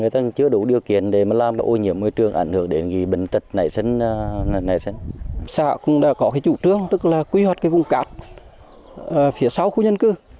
xã cũng đã có cái chủ trương tức là quy hoạch cái vùng cát phía sau khu dân cư